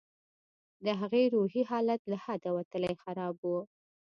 د هغې روحي حالت له حده وتلى خراب و.